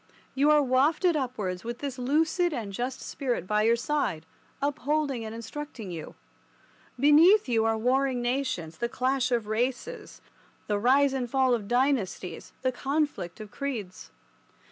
You are wafted upwards, with this lucid and just spirit by your side upholding and instructing you. Beneath you are warring nations, the clash of races, the rise and fall of dynasties, the conflict of creeds.